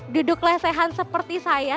duduk lesehan seperti saya